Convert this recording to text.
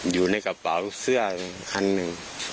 อยู่ในกระเป๋าเสื้อคันหนึ่ง